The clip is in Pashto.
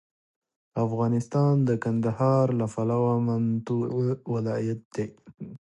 افغانستان د کندهار له پلوه متنوع ولایت دی.